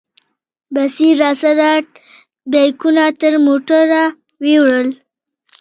بصیر راسره بیکونه تر موټره یوړل.